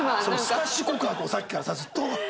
スカッシュ告白をさっきからさずっと。